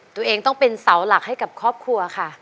ตัวเองต้องเป็นเสาหลักให้กับครอบครัวค่ะ